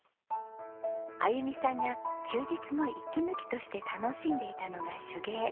あゆみさんが休日の息抜きとして楽しんでいたのが手芸。